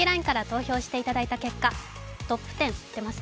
ＬＩＮＥから投票していただいた結果トップ１０